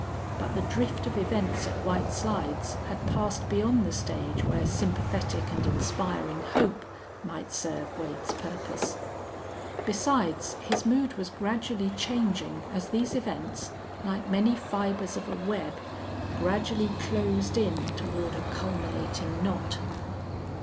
But the drift of events at White Slides had passed beyond the stage where sympathetic and inspiring hope might serve Wade's purpose. Besides, his mood was gradually changing as these events, like many fibers of a web, gradually closed in toward a culminating knot.